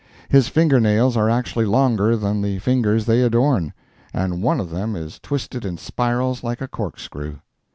His finger nails are actually longer than the fingers they adorn, and one of them is twisted in spirals like a cork screw.